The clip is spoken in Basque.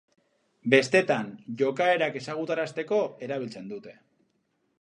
Bestetan, jokaerak ezagutarazteko erabiltzen dute.